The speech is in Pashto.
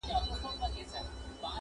هر ستمګر ته د اغزیو وطن!.